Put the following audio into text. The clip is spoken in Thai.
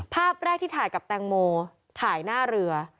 ภาพแรกที่ถ่ายกับแตงโมถ่ายหน้าเรือ